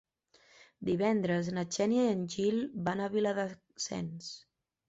Divendres na Xènia i en Gil van a Viladasens.